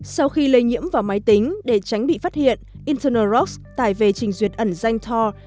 sau khi lây nhiễm vào máy tính để tránh bị phát hiện eternal rocks tải về trình duyệt ẩn danh tor